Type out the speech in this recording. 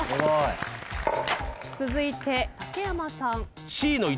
続いて竹山さん。